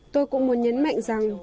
tôi cũng muốn nhấn mạnh rằng